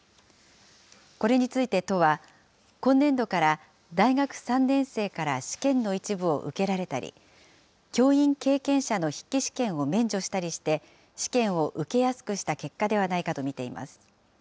これについて都は、今年度から大学３年生から試験の一部を受けられたり、教員経験者の筆記試験を免除したりして、試験を受けやすくした結果ではないかと見ています。